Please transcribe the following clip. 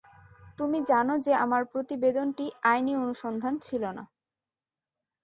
তুমি জানো যে আমার প্রতিবেদনটি আইনী অনুসন্ধান ছিল না।